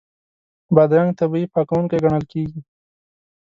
بادرنګ طبیعي پاکوونکی ګڼل کېږي.